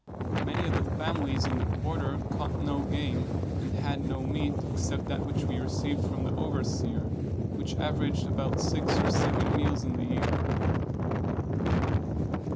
Many of the families in the quarter caught no game, and had no meat, except that which we received from the overseer, which averaged about six or seven meals in the year.